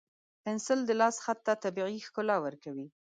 پنسل د لاس خط ته طبیعي ښکلا ورکوي.